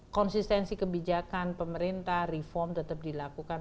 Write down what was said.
konsistensi kebijakan pemerintah reform tetap dilakukan